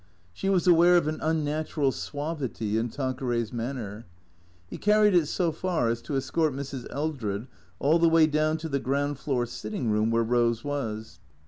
She was aware of an unnatural suavity in Tanqueray's manner. He carried it so far as to escort Mrs. Eldred all the way down to the ground floor sitting room where Eose was.